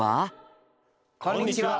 こんにちは！